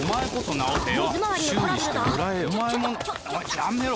やめろ！